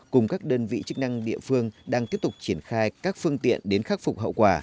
cùng các đơn vị chức năng địa phương đang tiếp tục triển khai các phương tiện đến khắc phục hậu quả